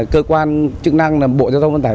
cơ quan chức năng bộ giao thông vận tải